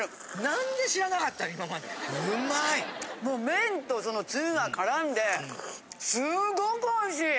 麺とつゆが絡んですごくおいしい！